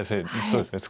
そうですね。